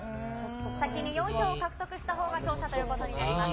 先に４票を獲得したほうが勝者ということになります。